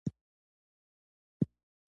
سهار د نیکمرغۍ ټپه ده.